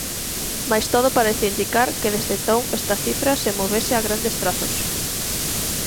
Mais todo parece indicar que desde entón esta cifra se movese a grandes trazos.